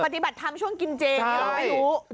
ปฏิบัติธรรมช่วงกินเจหรอไม่รู้